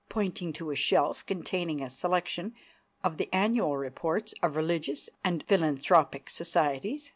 pointing to a shelf containing a selection of the annual reports of religious and philanthropic societies.